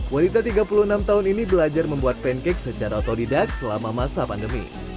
wanita tiga puluh enam tahun ini belajar membuat pancake secara otodidak selama masa pandemi